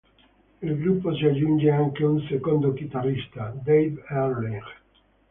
Al gruppo si aggiunge anche un secondo chitarrista, Dave Ehrlich.